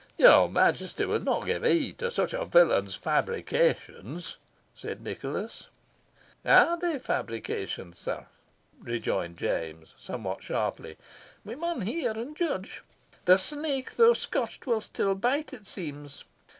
"Your Majesty will not give heed to such a villain's fabrications?" said Nicholas. "Are they fabrications, sir?" rejoined James, somewhat sharply. "We maun hear and judge. The snake, though scotched, will still bite, it seems.